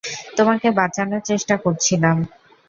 তোমাকে বাঁচানোর চেষ্টা করছিলাম।